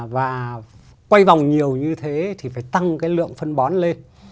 và quay vòng nhiều như thế thì phải tăng cái lượng phân bón lên